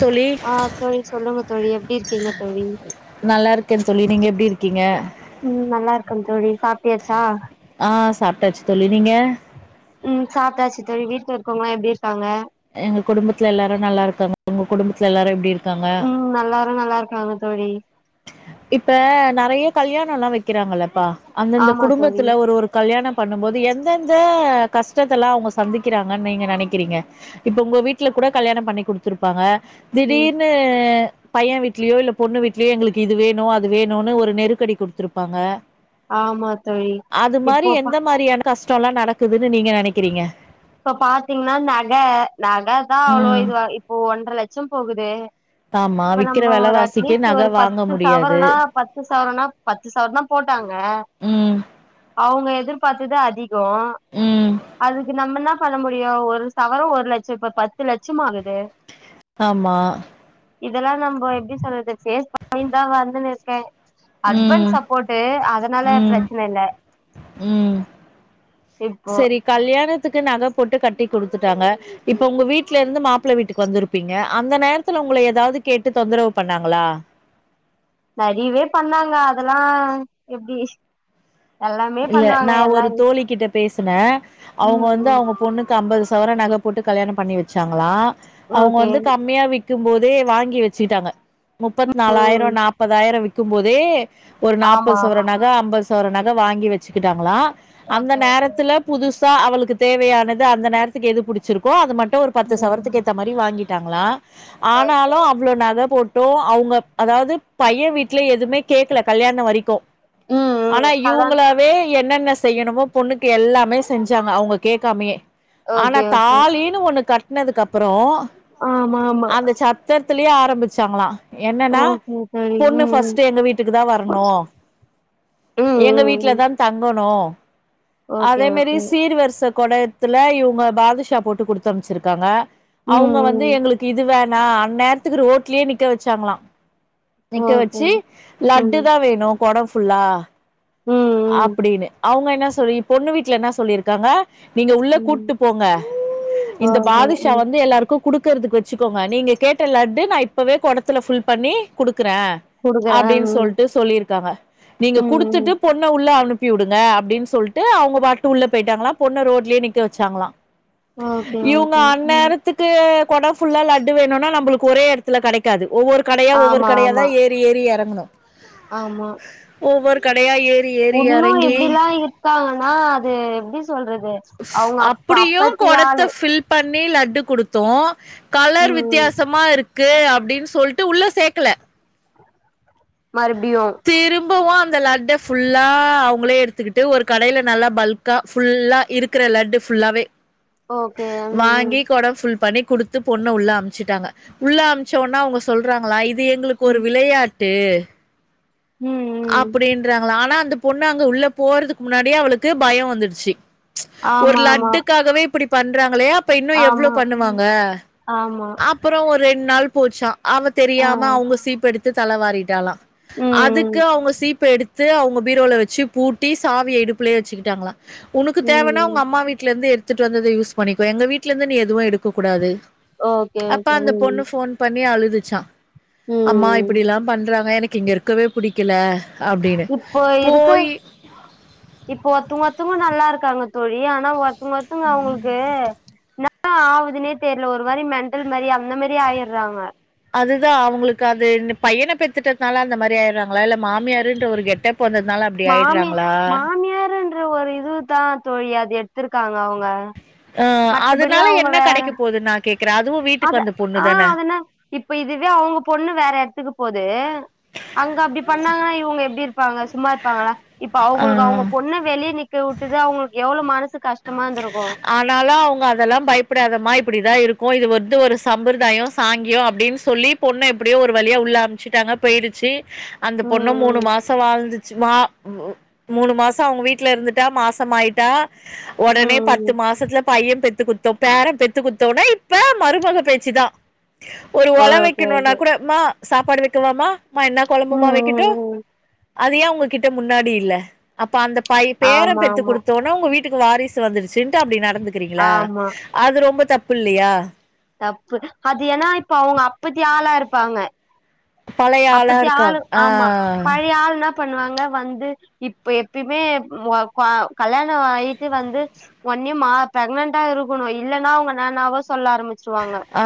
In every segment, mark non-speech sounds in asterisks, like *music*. தோழி ஆ தோழி சொல்லுங்க தோழி எப்டி இருக்கீங்க தோழி நல்லா இருக்கே தோழி நீங்க எப்டி இரு கிங்க ம் நல்லா இருக்கே தோழி சாப்டியாச்சா டச் தோழி நீங்க ம் சாப்ட்டாச்சு தோழி வீட்ல இருக்கவங்க எப்டி இருக்காங்க எங்க குடும்பத்துல எல்லாரு நல்லா இருக்காங்க உங்க குடும்பத்துல எல்லாரு எப்டி இருக் ம் நல்லாரு நல்லா இருக்காங்க தோழி இப்ப நறைய கல்யாணல்லா வைக்கிறாங்களப்பா அந்தந்த ஆமா தோழி குடும்பத்துல ஒரு ஒரு கல்யாணம் பண்ணும்போது எந்தெந்த கஷ்டத்தெல்லா அவங்க சந்திக்கிறாங்க நீங்க நினைக்கிறீங்க இப்ப உங்க வீட்ல கூட கல்யாண பண்ணி கொடுத்திருப்பாங்க ம் திடீர்னு பைய வீட்லயோ இல்ல பொண்ணு வீட் லயோ எங்களுக்கு இது வேணு அது வேணு ஒரு நெருக்கடி கொடுத்துருப்பாங்க ஆமா தோழி அது மாரி இப்போ பா எந்த மாரியான கஷ்டல்லா நடக்குதுன்னு நீங்க நினைக்கிறீங்க இப்ப பாத்தீங்கன்னா நக ம் ச்சம் போகுதே ஆமா இப்ப விக்கிற நம்ம ஒரு வெலவாசிக்கு அட்லீஸ்ட் நக ஒரு வாங்க பத்து முடியாது சவரனா பத்து சவரனா பத்து சவரனா போ போட்டாங்க ம் அவங்க எதிர்பார்த்தது அதிக ம் அதுக்கு நம்மனா பண்ண முடியு ஒரு சவர ஒரு லட்ச இப்ப பத்து லட்சமாகுது ஆமா இதெல்லா நம்ம எப்டி சொல்றது ஃபேஸ் பண்ணிட்தா வந்துன்னு இருக்கே ம் ஹஸ்பண்ட் சப்போர்ட்டு அதனால ம் பிரச்சன இல்ல ம் இப்போ செரி கல்யாண த்துக்கு நகை போட்டு கட்டி குடுத்துட்டாங்க இப்ப உங்க வீட்ல இருந்து மாப்பிளை வீட்டுக்கு வந்திருப்பீங்க அந்த நேரத்தில் உங்க உங்கள ஏதாவது கேட்டு தொந்தரவு பண்ணாங்களா நெறையவே பண்ணாங்க அதெல்லா எப்டி எல்லாமே இல்ல பண்ணுவாங்க நா ஒரு எல்லாரு தோழி கிட்ட பேசினே அவங்க ம் வந்து ம் அவங்க பொண்ணுக்கு அம்பது சவரன் நகை போட்டு கல்யாணோ பண்ணி வெச்சாங்களா அவங்க ஓகே வந்து கம்மியா விக்கு போதே வாங்கி வெச்சிகிட்டாங்க முப்பத்தி நாலாயிரோ ம் நாப்பதாயிரோ விக்கு போதே ஒரு ஆமா நாற்பது சவரோ ஆமா நகை அம்பது சவரோ நகை வாங்கி வச்சுக்கிட்டாங்களா அந்த ஓகே ஓகே நேரத்துல புதுசா அவளுக்கு தேவையானது அந்த நேரத்துக்கு எது புடிச்சிருக்கோ அது மட்டு ஒரு பத்து ம் சவரத்துக்கு ஏத்த மாறி வாங்கிட்டாங்களா ஓகே ஆனாலு அவ்ளோ நகை போட் டோ அவங்க அதாவது பையே வீட்ல எதுவுமே கேக்கல கல்யாணோ வரிக்கு ம் ம் ஆனா இப் கல்யாண் இவங்களாவே என்னென்ன செய்யணுமோ பொண்ணுக்கு எல்லாமே செஞ்சாங்க அவங்க கேட்காமயே ஆனா ஓகே ஓகே தாலின்னு ஒன்னு கட்னதுக்கு அப்றோ ஆமா ஆமா அந்த சத்தரத் திலேயே ஆரம்பிச்சாங்களா என்னன்னா ஓகே தோழி பொண்ணு ம் ஃபர்ஸ்ட் எங்க வீட்டுக்கு தா வரணு ம் ம் ம் எங்க வீட்டுல ம் தா தங்கணு ஓகே அதே மாரி ஓகே சீர்வரிச கொட எடத்துல இவங்க பாதுஷா போட்டு குடுத்த அனுப்ச்சியிருக்காங்க ம் அவங்க வந்து ம் எங்களுக்கு இது வேண் நா அந்நேரத்துக்கு ரோட்லயே நிக்க வெச்சாங்களா நிக்க ஓகே வெச்சு லட்டு ம் தா வேணு கொடோ ஃபுல்லா ம் அப்படின்னு அவங்க என்ன சொல்லி பொண்ணு வீட்டு்ல என்ன சொல்லியிருக்காங்க நீங்க உள்ள ம் ம் கூட்டு போங்க இந்த ஓகே பாதுஷா ம் வந்து எல்லார்க்கு குடுக்கறதுக்கு வெச்சுக்கோங்க நீங்க கேட்ட லட்டு நா இப்பவே கொடத்துல ஃபுல் பண்ணி குடு க்றே குடுக்குறே அப்படின்னு ம் சொல்ட்டு சொல்லியிருக்காங்க நீங்க ம் குடுத்துட்டு பொண்ண உள்ள அனுப் அனுப்பி உடுங்க அப்டின்னு சொல்ட்டு அவங்க பாட்டுன்னு உள்ள போயிட்டாங்களா பொண்ண ரோட்லயே நிக்க வெச்சாங்களா ஓகே இவங்க ஓகே ம் அநேரத்துக்கு கொடோ ஃபுல்லாக லட்டு வேணும்னா நம்பளுக்கு ஒரே எடத்துல கெடைக்காது ஒவ்வொரு கடயா ஒவ்வொரு ஆமா கடயா தா ஆமா ஏறி ஏறி எறங்கணு ஆமா ஒவ்வொரு கடையா ஏறி ஏறி ஒன்னு எறங்கி இப்படில்லா இருப்பாங்கன்னா அது எப்படி சொல்றது அவுங்க அப்ப அப்படியு அப்பத்தி கொடத்த ஆளு ஃபில் பண்ணி லட் டு குடுத்தோ கலர் ம் வித்தியாசமா இருக்கு அப்படின்னு சொல்ட்டு உள்ள சேக்கல மறுபடியு திரும்பவு அந் அந்த லட்ட புல்லா அவங்களே எடுத்துக்கிட்டு ஒரு கடயில நல்லா பல்கா ஃபுல்லா இருக்கிற லட்டு ஃபுல்லாவே ஓகே ம் வாங்கி கொடோ ஃபுல் பண்ணி குடுத்து பொண்ண உள்ள அமுச்சிட்டாங்க உள்ள அமுச்ச ஒடனே அவங்க சொல்றாங்களா இது எங்களுக்கு ஒரு ம் விளையாட்டு ம் ம் அப்படின்றாங்களா ஆனா அந்த பொண்ணு அங்க உள்ள போறதுக்கு முன்னாடியே அவளுக்கு பயோ வந்துடுச்சு ஒரு ஆமா லட்டுக்காகவே இப்படி பண்றாங்களே அப்ப இன்னு ஆமா எவ்ளோ ஆமா ம் பண்ணுவாங்க ஆமா அப்றோ ஒரு ரெண்டு நாள் போச்சா அவ ஆ தெரியாம அவங்க சீப்பெடுத்து தலை வாறிட்டாலா அதுக்கு ம் அவங்க சீப்ப எடுத்து அவங்க பீரோல வெச்சு பூட்டி சாவிய இடுப்புலயே வெச்சுக்கிட்டாங்களா உனக்கு தேவைன்னா உங்க ம் அம்மா வீட்டுல இருந்து எடுத் துட்டு வந்ததே யூஸ் பண்ணிக்கோ எங்க வீட்ல இருந்து நீ எதுவு எடுக்ககூடாது ஓகே அப்ப ஓகே அந்த ம் பொண்ணு ஃபோன் பண்ணி அழு துச்சா அம்மா ம் இப்படி எல்லா பண்றாங்க எனக்கு இங்க இருக்கவே புடிக்கல அப்டின்னு இப்போ இருக்கு போய் இப்போ ஒருத்தங்க ஒருத்தங்க நல்லா இருக்காங்க தோழி ஆனா ஒர்த்துங்க ஒர்த்துங்க அவங்களுக்கு என்ன என்ன ஆவுதுன்னே தெரியல ஒரு மாறி மென்டல் மாறி அந்த மாறி ஆயட்றாங்க அதுதா அவங்களுக்கு அது இந்த பையன பெத்துட்டதுனால அந்த மாறி ஆயர்றாங்களா இல்ல மாமியாருன்ற ஒரு கெட்டப் வந்ததுனால அப்டி மாமி ஆயர்றாங்களா மாமியாருன்ற ஒரு இதுதா தோழி அது எடுத்திருக்காங்க அவங்க அ அதுனால என்ன கெடைக்க போது நா கேக்க அத ஆ அதனா இப்ப இதுவே அவ்ங்க பொண்ணு வேற எட்த்துக்கு போது அங்க அப்டி பண்ணாங்கனா இவ்ங்க எப்டி இருப்பாங்க சும்மா இருப்பாங்களா இப்ப ஆ அவுங்களுக்கு அவ்ங்க பொண்ண வெளிய நிக்கவுட்டது அவ்ங்களுக்கு எவ்ளோ மனசு கஷ்டமா இருந்திரு ஆனாலு அவ்ங்க அதெல்லா பயப்டாதமா இப்டிதா இருக் க்கு இது வந்து ஒரு சம்பர்தாய சாங்கிய அப்டின் சொல்லி பொண்ண எப்டியோ ஒரு வழியா உள்ள அம்ச்சிட்டாங்க போயிருச்சு அந்த பொண்ண ம் ம் மூணு மாச வாழ்ந்து மா ம் மூணு மாச அவ்ங்க வீட்ல இருந்துட்டா மாசமாயிட்டா ஒடனே ம் பத் த்து ம் மாசத்துல பைய பெத்து குட்த்தோ பேர பெத்து குத்தோன இப்ப மருமக பேச்சு தா ஒரு ஒல ஓகே வெக்கணுனா ஓகே கூட மா சாப்பாடு வெக்கவாமா மா என்ன கொழம்புமா ம் வெக்கட்டு ம் ம் அது ஏ உங்ககிட்ட முன்னாடி இல்ல அப்ப அந்த பை பேர ஆமா பெத்து ஆமா குடுத்தோனா உங்க வீட்டுக்கு வாரிசு வந்துருச் சின்ட்டு அப்டி நடந்துக்கிறீங்ளா ஆமா அது ரொம்ப தப்பில்லையா தப்பு அது ஏனா இப்ப அவ்ங்க அப்புத்தி ஆளா இருப்பாங்க பழைய ஆளா அப்புத்தி இருக்காங் ஆளு ஆ ஆமா பழைய ஆள்னா ப்பண்ணுவாங்க வந்து இப்ப எப்பயுமே ஒ கா கல்யாண ஆயிட்டு வந்து ஒ உன்னயுமா ப்ரக்னென்ட்டா இருக்கணு இல்லனா அவ்ங்க என்னென்னவோ சொல்ல ஆரம்பிச்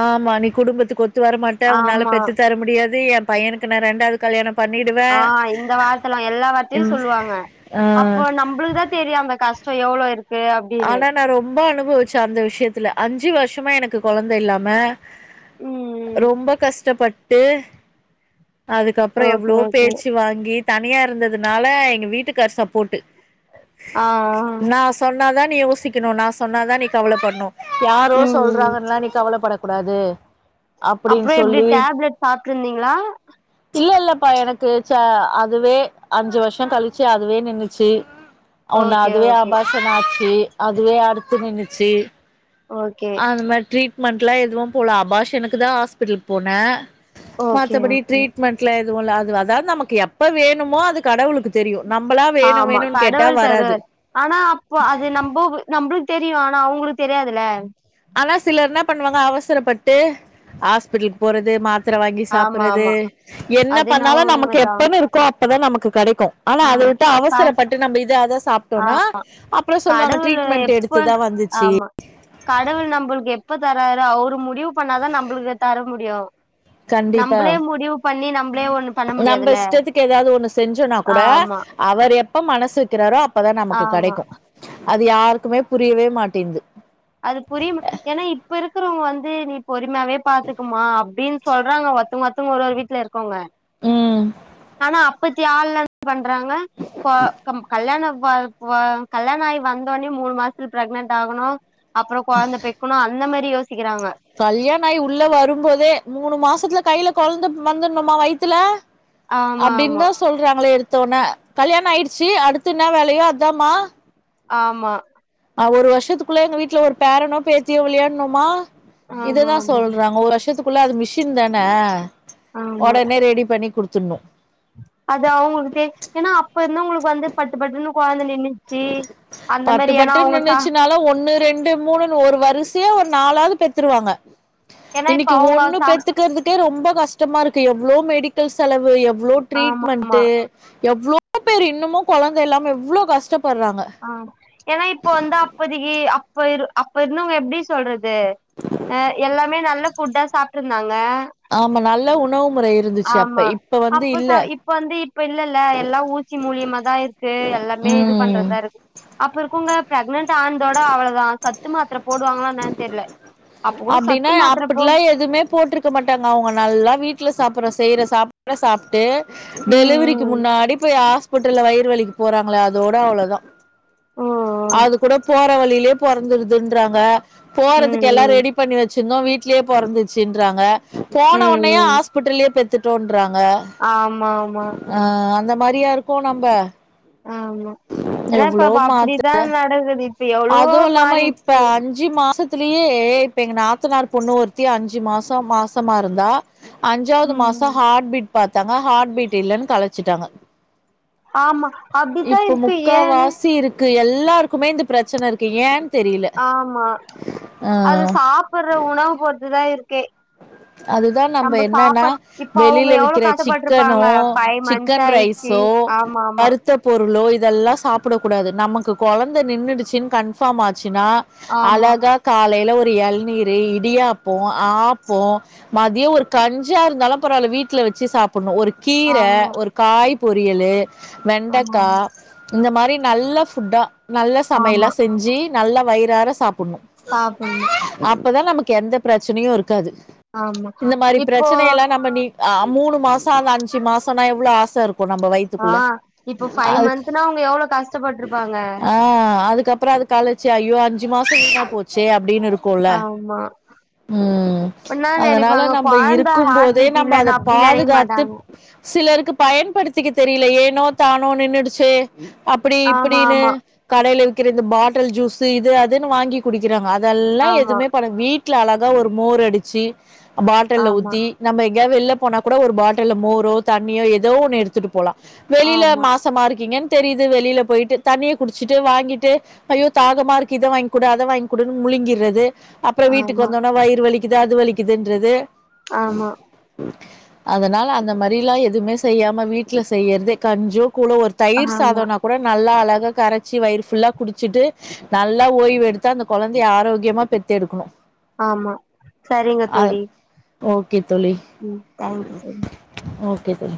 ஆமா நீ குடும்பத்துக்கு ஒத்து வரமாட்ட உன்னால ஆமா பெத்து தர முடியாது து எ பையனுக்கு நா ரெண்டாவ்து கல்யாணம் பண்ணிடுவே ஆ இந்த வார்த்தலா எல்லா வார்த்தையு ம் சொல்லுவாங்க ஆ அப்போ நம்பளுக்குதா தெரியு அந்த கஷ் சோ எவளோ இருக்கு அப்டின்னு ம்ப அனுபவிச்ச அந்த விஷ்யத்துல அஞ்சு வர்ஷமா எனக்கு கொழந்த இல்லாம ம் ரொம்ப கஷ்டப்பட்டு அதுக்கப்ற ஓகே எவ்ளோ ஓகே பேச்சு வாங்கி தனியா இருந்ததுனால எங்க வீட்டுக்காரு சப்போட்டு ஆ ஆ நாதான்டி யோசிக்கணு நா சொன்னாதா நீ கவலப்பட்ணு யாரோ ம் சொல்றாங்கன்லா நீ கவலப்பட கூடாது அப்டின் அப்றோ எப்டி சொல்லி டேப்லெட் சாப்ட்ருந்தீங்களா இல்ல இல்ல ப்பா எனக்கு ச அதுவே அஞ்சு வர்ஷ கழிச்சு அதுவே நின்னுச்சு ஒன்னு ஓகே அதுவே ஓகே ஆபாஷன் ஆச்சு அதுவே அடுத்து நின்னுச்சு ஓகே அந்த மார் ட்ரீட்மெண்ட்லா எதுவு போலா அபாஷனுக்குதா ஹாஸ்பிட்டலுக்கு போனே ஓகே மத்தபடி ஓகே ட்ரீட்மெண்ட்ல எதுவு இல்ல அது அதாவ்து நமக்கு எப்ப வேணுமோ அது கடவுளுக்கு தெரியு நம்பளா வேணு ஆமா வேணுன்னு கேட்டா கடவுள் வராது தருவார் ஆனா அப்ப அது நம்போ நம்பளுக் தெரியு ஆனா அவ்ங்களுக்கு தெரியாதுல ஆனா சிலர் என்ன பண்ணுவாங்க அவசரப்பட்டு ஹாஸ்பிட்டலுக்கு போறது மாத் த்திர வாங்கி ஆமா சாப்புறது ஆமா என்ன அது என்னவோ பண்ணாலு நமக்கு உண்மதா எப்பன்னு இருக்கோ அப்பதா நமக்கு க்கு ஆனா அத ஆம் விட்டு க அவசரப்பட்டு நம்ப இத அத சாப்ட்டோனா அப்றோ சொல்வாங்க கடவுள் ட்ரீட்மெண்ட் எப்ப எடுத்துதா வந்துச்சு ஆமா கடவுள் நம்பளுக்கு எப்ப தராரோ அவரு முடிவு பண்ணாதா நம்பளுக்கு தர முடியு கண்டிப்பா நம்பளே முடிவு பண்ணி நம்பளே ஒண்ணு பண்ண நம்ப முடியாதுல்ல இஷ்டத்துக்கு எதாவ்து ஒன்னு செஞ்சோனா கூட ஆமா அவர் எப்ப மனசு வெக்கிறாரோ அப்பதா நமக்கு ஆமா கெடைக்கு அது யாரு க்குமே புரியவே மாட்டின்ந்து அது புரியுமா ஏனா இப்ப இருக்கிறவ்ங்க வந்து நீ பொறுமையாவே பாத்துக்குமா அப்டின் சொல்றாங்க ஒத்து மொத்து ஒரு ஒரு வீட்ல இருக்கவ்ங்க ம் ஆனா அப்பத்தி ஆள்லென் பண்றாங்க கொ கம் கல்யாண வ வ கல்யாண ஆகி வந்தோனே மூணு மாசத்துல பிரெக்னென்ட் ஆகணு அப்றோ கொழந்த பெக்கணு அந்த மாரி யோசிக்கிறாங்க கல்யாண ஆயி உள்ள வரும் போதே மூணு மாசத்துல கைல கொழந்த வந்துர்ணுமா வயித்துல ஆமா ஆமா அப்டின்தா சொல்றாங்களே எடுத் தோன கல்யாண ஆயிடுச்சு அடுத்து என்ன வேலையோ அதாமா ஆமா அ ஒரு வர்ஷத்துக்குள்ள எங்க வீட்ல ஒர் பேரனோ பேத்தியோ விளையாட்ணுமா ஆமா இததா ஆமா சொல்றாங்க ஒரு வர்ஷத்துக்குள்ள அது மிஷின் தான ஆமா ஒடனே ரெடி பண்ணி குடுத்துணு அது அவுங்ளுக்கு தே ஏனா அப்ப இருந்தவுங்ளுக்கு வந்து பட்டு பட்டுனு பட்டு ஏன்னா பட்டுன் அவங்க சா நின்னுச்சுனால ஒண்ணு ரெண் டு மூணுன் ஒரு வருசியா ஒரு நாலாது பெத்துருவாங்க ஏன்னா இப்ப இன்னைக்கி அவங்க ஒண்ணு சா பெத்துக்கற்துகே ரொம் ம்ப கஷ்டமா இருக்கு எவ்ளோ மெடிக்கல் செலவு எவுளோ ஆமா ட்ரீட்மென்ட்டு எவ்ளோ பேரு இன்னமு கொழந்த இல்லாம எவ்ளோ கஷ் ஆ ஏனா இப்ப வந்து அப்போதிக்கு அப்ப இரு அப்ப இர்ந்தவ்ங்க எப்டி சொல்ற து அ எல்லாமே நல்ல ஃபுட்டா சாப்ட்ருந்தாங் ம ஆமா நல்ல உணவு முறை இருந்துச்சு அப்ப ஆமா இப்ப வந்து அப்ப இல்ல சா இப்ப வந்து இப் இப்ப இல்லல எல்லா ஊசி மூலியமா தா இருக்கு எல்லாமே இது ம் பண்றதா இரு அப்ப இருக்குங்க பிரெக்னன்ட் ஆன்தோட அவளதா சத்து மாத்ர போடுவாங்ளா என்னன் தெர்ல அப்ப கூட அப்டினா சத்து மாத்திர போ அப்புட்லா எதுமே போட்ருக்க மாட்டாங்க அவுங்க நல்லா வீட்ல சாப் அப்புறோ செய்ற சாப் *inaudible* ட சாப்ட்டு ம் டெலுவிரிக்கு ம் முன்னாடி போய் ஆஸ் புட்டுல வயிர் வலிக்கு போறாங்ள அதோட அவ்ளோதா ஓ அது கூட போற வழி யே பொறந்திருதுன்றாங்க ம் போறதுக்கு எல்லா ம் ரெடி பண்ணி வச்சிர்ந்தோ வீ ட்லே பொறந்துச்சுன்றாங்க போன ம் ஒட்னயே ஹாஸ்பிட்டுல்யே பெத்துட்டோன் ஆமாம்மா ஆ அந்த மாரியா இருக்கோ நம்ப ஆமா ஏனா இப்ப பா அப்டிதா நடக்குது இப் அதூ இல்லாம இப்ப அஞ்சு மாசத் த்திலியே இப்ப எங்க நாத்துனார் பொண்ணு ஒருத்தி அஞ்சு மாசோ மாசமா இருந்தா அஞ்சாவ்து ம் மாசோ ம் ஹாட் பீட் பாத்தாங்க ஹாட் பீட் இல்லனு கழச்சிட்டாங்க ஆமா அப்டித்தா இப்போ இருக்கு முக்கா ஏன்னு வாசி இருக்கு எல்லார்க்குமே இந்த பிரச்சன இருக்கு ஏன் ஆமா அது சாப்புட்ற உணவு பொருத்துதா இருக்கே அதுதா நம்ப நம்ம என்னனா சாப்பாட் இப்போ அவங்க வெளில எவ்ளோ விக்கிற சிக்கனோ கஷ்டப்பட்ருப்பாங்க ஃபைவ் மந்த்ஸ் சிக்கன் ஆயிடுச்சு ரைஸோ ஆமா ஒ வருத்த பொருளோ இ தெல்லா சாப்ட கூடாது நமக்கு கொழந்த நின்னுடுச்சுன் கன்ஃபாம் ஆச் சினா ஆமா அழகா காலேல ஒரு எள்நீரு இடியாப்போ ஆப் போ மதியோ ஒரு கஞ்சியா இருந்தாலு பரவால வீட்ல வச்சு சாப புணு ஒரு கீர ஆமா ஆமா ஒரு காய் பொரியலு ஆமா வெண்டக்கா இந்த மாரி நல்ல ஃபுட்டா நல்ல ஆமா சமைலா ஆமா செஞ்சு நல்லா வய்றார சாப் புணு சாப்புட்ணு அப்பதா நமக்கு எந்த பிரச்சினியு இருக்காது ஆமா இந்த மாரி இப்போ பிரச்சனைலா நம்ம நீ் அ மூணு மாசோ அது அஞ்சு மாசோனா எவ்ளோ ஆச இரு க்கு நம்ப ஆ வய்த்துக்குள்ள இப்போ ஃபைவ் அதுக் மந்த்னா அவங்க எவ்ளோ கஷ்டப்பட்ருப்பாங்க ஆ அதுக்கப் புறோ அது கலச்சு ஐயோ அஞ்சு மாசோ வீனா போச்சே அப்டின் இருக்குல ஆமா ம் அப்பன்னா அதனால நெனைப்பாங்க நம்ப கொழந்த ஹார்ட் இருக்கும்போதே பீட் நம்ப அத இல்லன்னு அப்டி நெனைக்க பாதுகாத்து மாட்டாங்க சிலருக்கு பயன்படுத்திக்க தெரில ஏனோ தானோ நின்னுடுச்சே அப்புடி ஆமா இப்புடீன்னு ஆமா கடேல விக்கிற இந்த பாட்டல் ஜூஸு இது அதுன்னு வாங்கி குடிக்கிறாங்க அ தெல்லா ஆமா எதுமே பண்ண வீட்ல அழகா ஒரு மோர் அடிச்சு பாட்டல்ல ஆமா ஊத்தி நம்ம எங்க்யா வெள்ல போனா கூட ஒரு பாட்டில்ல மோரோ தண்ணியோ எதோ ஒண்ணு எடுத்துட்டு போலா வெளில மாசமா இருக்கீங்கன் தெரிது வெளில போய்ட்டு தண்ணிய குடிச்சுட்டு வாங்கிட்டு ஐயோ தாகமா இருக்கு இத வாய்ங்குடு அத வாய்ங்குடுன் முள் ளிங்கிறது அப்புறோ வீட்டுக்கு ஆமா வந்தோன வயிறு வலிக்குது அது வலிக்குதுன்றது ஆமா அதனால அந்த மாரிலா எதுமே செய்யாம வீட்ல செய்யற்தே கஞ்யோ கூலோ ஒரு ஆமா தயிர் ஆமா சாதோனா கூட நல்லா அழகா கரச்சு வயிர் ஃபுல்லா குடிச்சிட்டு நல்லா ஓய்வெடுத்தா அந்த கொழந்திய ஆரோக்யமா பெத்து எடுக்குணு ஆமா சரிங்க தோழி ஓகே தோழி ம் தேங்க் யூ தோழி கேக்குது